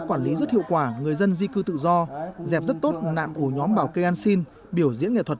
quản lý rất hiệu quả người dân di cư tự do dẹp rất tốt nạn ủ nhóm bảo cây an xin biểu diễn